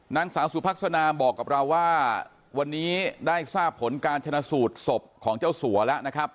นางสาวสุพัฒนาบอกกับเราว่าวันนี้ได้ทราบผลการชนะสูตรศพของเจ้าสัวแล้วนะครับ